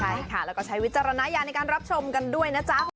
ใช่ค่ะแล้วก็ใช้วิจารณญาณในการรับชมกันด้วยนะจ๊ะ